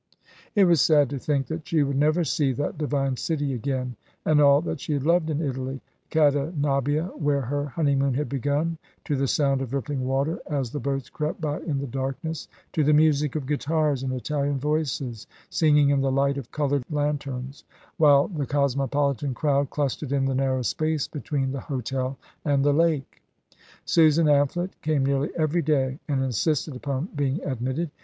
It was sad to think that she would never see that divine city again, and all that she had loved in Italy: Cadenabbia, where her honeymoon had begun, to the sound of rippling water, as the boats crept by in the darkness, to the music of guitars and Italian voices, singing in the light of coloured lanterns, while the cosmopolitan crowd clustered in the narrow space between the hotel and the lake. Susan Amphlett came nearly every day, and insisted upon being admitted.